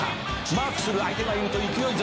「マークする相手がいると勢いづく」